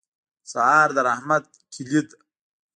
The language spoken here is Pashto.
سهار د رحمت کلي ده.